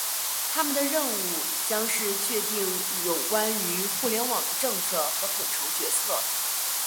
他们的任务将是确定有关于互联网的政策和统筹决策。